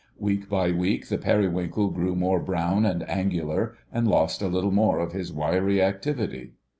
Week by week the Periwinkle grew more brown and angular, and lost a little more of his wiry activity.